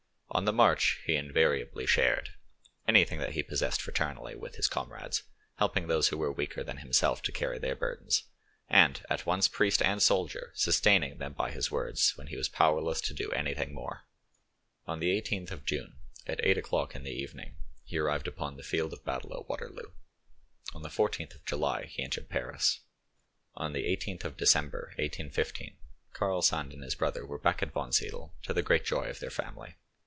On the march he invariably shared: anything that he possessed fraternally with his comrades, helping those who were weaker than himself to carry their burdens, and, at once priest and soldier, sustaining them by his words when he was powerless to do anything more. On the 18th of June, at eight o'clock in the evening, he arrived upon the field of battle at Waterloo, On the 14th of July he entered Paris. On the 18th of December, 1815, Karl Sand and his brother were back at Wonsiedel, to the great joy of their family.